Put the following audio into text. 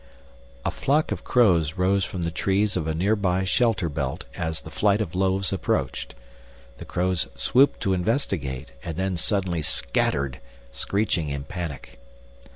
A flock of crows rose from the trees of a nearby shelterbelt as the flight of loaves approached. The crows swooped to investigate and then suddenly scattered, screeching in panic.